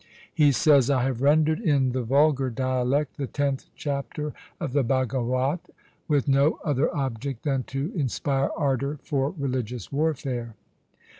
He says, ' I have rendered in the vulgar dialect the tenth chapter of the Bhagawat with no other object than to inspire ardour for religious warfare.'